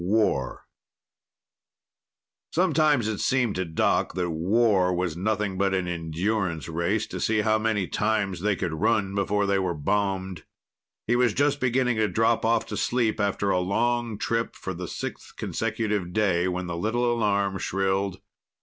XII War Sometimes it seemed to Doc that war was nothing but an endurance race to see how many times they could run before they were bombed. He was just beginning to drop off to sleep after a long trip for the sixth consecutive day when the little alarm shrilled.